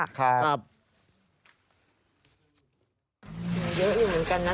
เยอะอยู่เหมือนกันนะตรงนี้